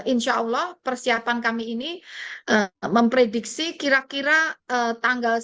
inshallah persiapannya kami ini memprediksi kira kira tanggal sembilan belas dua ribu dua puluh dua ribu dua puluh satu